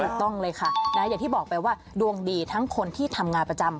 ถูกต้องเลยค่ะอย่างที่บอกไปว่าดวงดีทั้งคนที่ทำงานประจำ